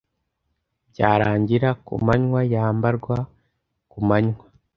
Byarangira, kumanywa yambarwa kumanywa